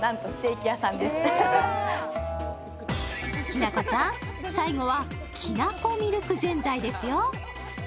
きなこちゃん、最後はきなこみるくぜんざいですよ。